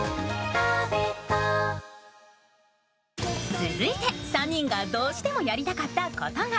続いて３人がどうしてもやりたかったことが。